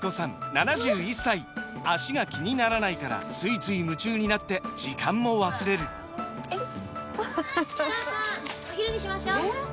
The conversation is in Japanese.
７１歳脚が気にならないからついつい夢中になって時間も忘れるお母さんお昼にしましょうえー